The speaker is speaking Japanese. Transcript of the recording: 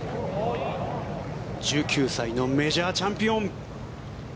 １９歳のメジャーチャンピオン。